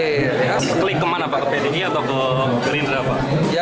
klik ke mana pak ke pdg atau ke rindra pak